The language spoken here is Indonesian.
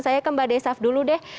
saya ke mbak desaf dulu deh